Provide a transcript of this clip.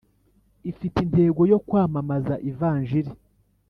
ifite intego yo kwamamaza Ivanjili